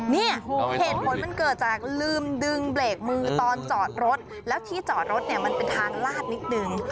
เนี่ยเหตุผลมันเกิดจากลืมดึงเบรกมือตอนจอดรถแล้วที่จอดรถเนี่ยมันเป็นทางลาดนิดนึง